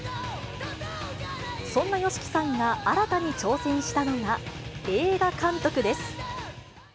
そんなＹＯＳＨＩＫＩさんが新たに挑戦したのが、映画監督です。